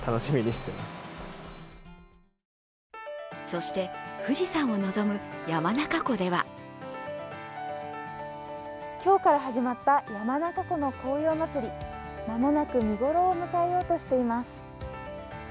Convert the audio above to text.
そして富士山を望む山中湖では今日から始まった山中湖の紅葉まつり、間もなく見頃を迎えようとしています。